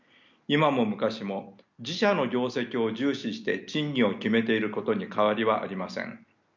今も昔も自社の業績を重視して賃金を決めていることに変わりはありません。